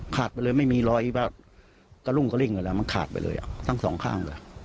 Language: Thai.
ขาดไปเลยไม่มีรอยกระรุ่งกระริ่งอะไรมันขาดไปเลยทั้งสองข้างเลย